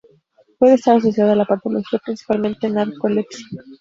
Puede estar asociada a otra patología, principalmente narcolepsia.